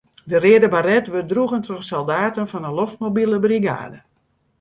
De reade baret wurdt droegen troch soldaten fan 'e loftmobile brigade.